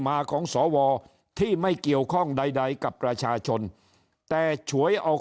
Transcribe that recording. มาของสวที่ไม่เกี่ยวข้องใดใดกับประชาชนแต่ฉวยเอา